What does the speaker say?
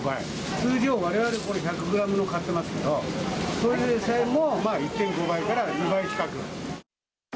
通常、われわれ、これ、１００グラムを買ってますけど、それですらも１．５倍から２倍近く。